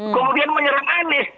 kemudian menyerang anies